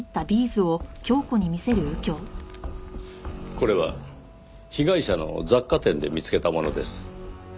これは被害者の雑貨店で見つけたものです。